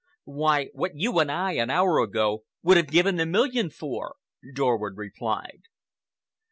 "Why, what you and I, an hour ago, would have given a million for," Dorward replied.